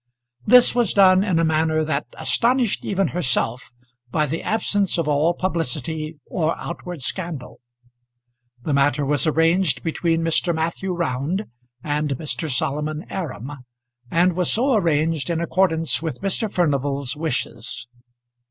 This was done in a manner that astonished even herself by the absence of all publicity or outward scandal. The matter was arranged between Mr. Matthew Round and Mr. Solomon Aram, and was so arranged in accordance with Mr. Furnival's wishes.